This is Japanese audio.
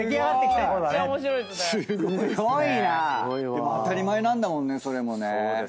でも当たり前なんだもんねそれもね。